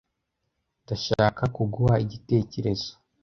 Ndashaka kuguha igitekerezo.